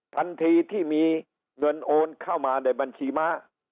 ทันทีที่มีเงินโอนเข้ามาในบัญชีม้า